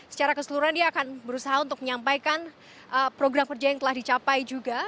secara keseluruhan dia akan berusaha untuk menyampaikan program kerja yang telah dicapai juga